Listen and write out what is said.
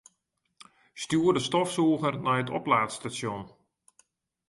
Stjoer de stofsûger nei it oplaadstasjon.